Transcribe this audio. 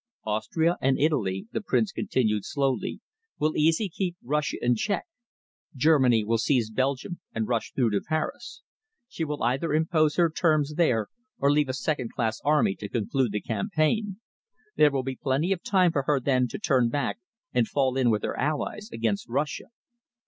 "Austria and Italy," the Prince continued slowly, "will easily keep Russia in check. Germany will seize Belgium and rush through to Paris. She will either impose her terms there or leave a second class army to conclude the campaign. There will be plenty of time for her then to turn back and fall in with her allies against Russia."